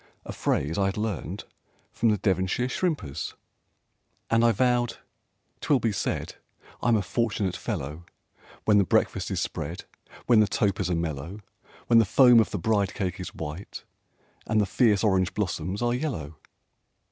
a phrase I had learned from the Devonshire shrimpers. And I vowed "'Twill be said I'm a fortunate fellow, When the breakfast is spread, When the topers are mellow, When the foam of the bride cake is white, and the fierce orange blossoms are yellow!"